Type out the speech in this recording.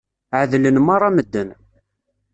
Ɛedlen meṛṛa medden.